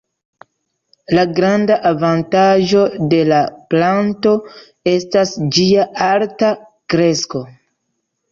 La granda avantaĝo de la planto estas ĝia alta kresko.